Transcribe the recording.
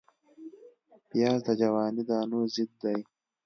پیاز د جواني دانو ضد دی